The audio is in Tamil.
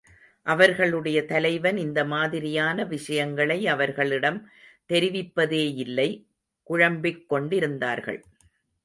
அவர்களுடைய தலைவன் இந்த மாதிரியான விஷயங்களை அவர்களிடம் தெரிவிப்பதேயில்லை, குழம்பிக் கொண்டிருந்தார்கள்.